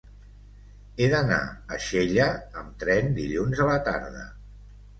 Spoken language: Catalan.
He d'anar a Xella amb tren dilluns a la tarda.